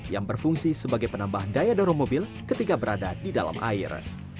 yang berfungsi sebagai penambah daya dorong mobil ketika berada di dalam air